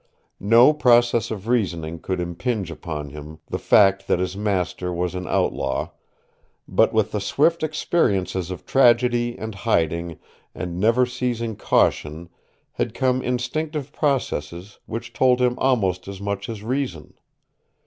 No process of reasoning could impinge upon him the fact that his master was an outlaw, but with the swift experiences of tragedy and hiding and never ceasing caution had come instinctive processes which told him almost as much as reason.